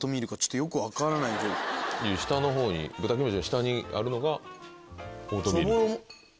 下のほうに豚キムチの下にあるのがオートミール。